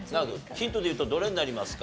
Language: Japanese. ヒントでいうとどれになりますか？